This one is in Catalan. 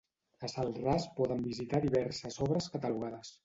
A Celrà es poden visitar diverses obres catalogades.